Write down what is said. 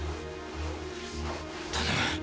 頼む。